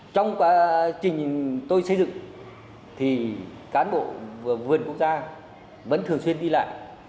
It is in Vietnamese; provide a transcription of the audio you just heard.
trong quá trình tôi xây dựng thì cán bộ vườn quốc gia vẫn thường xuyên đi lại